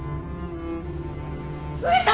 上様！